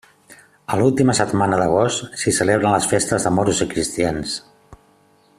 A l'última setmana d'agost s'hi celebren les Festes de Moros i Cristians.